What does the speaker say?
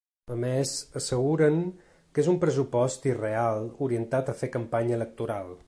A més, asseguren que és un pressupost irreal orientat a fer campanya electoral.